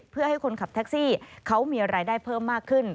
เพื่อให้คนขับแท็กซี่เขามีรายได้เพิ่มมากขึ้น